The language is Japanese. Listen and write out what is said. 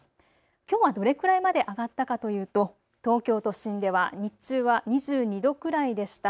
きょうはどれくらいまで上がったかというと東京都心では日中は２２度くらいでした。